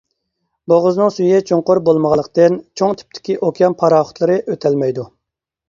بوغۇزنىڭ سۈيى چوڭقۇر بولمىغانلىقتىن، چوڭ تىپتىكى ئوكيان پاراخوتلىرى ئۆتەلمەيدۇ.